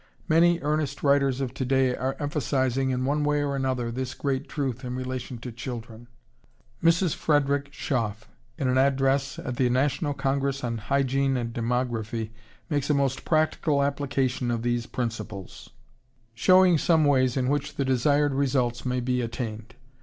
Many earnest writers of to day are emphasizing in one way or another this great truth in relation to children. Mrs. Frederick Schoff in an address at the National Congress on Hygiene and Demography makes a most practical application of these principles, showing some ways in which the desired results may be attained.